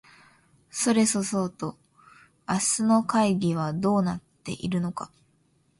それそそうと明日の会議はどうなっているのか